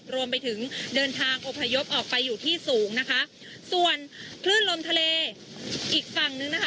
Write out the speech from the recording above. รวมไปถึงเดินทางอพยพออกไปอยู่ที่สูงนะคะส่วนคลื่นลมทะเลอีกฝั่งนึงนะคะ